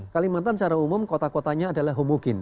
kalimantan secara umum kota kotanya adalah homogen